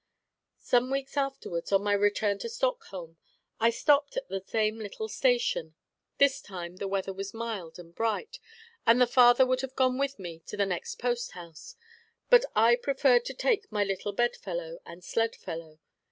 Some weeks afterwards, on my return to Stockholm, I stopped at the same little station. This time the weather was mild and bright, and the father would have gone with me to the next post house; but I preferred to take my little bed fellow and sled fellow.